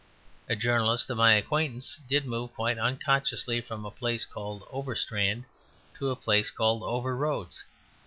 A journalist of my acquaintance did move quite unconsciously from a place called Overstrand to a place called Overroads.